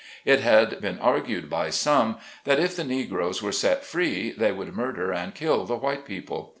It had been argued by some that, if the Negroes were set free they would murder and kill the white people.